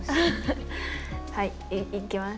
はいいきます。